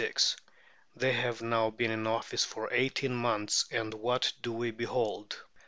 They have now been in office for eighteen months, and what do we behold?